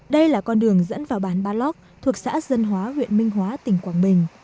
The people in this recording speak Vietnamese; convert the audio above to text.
đây là con đường dẫn vào bản barlog thuộc xã dân hóa huyện minh hóa tỉnh quảng bình